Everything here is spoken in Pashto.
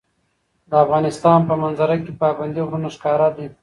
د افغانستان په منظره کې پابندی غرونه ښکاره ده.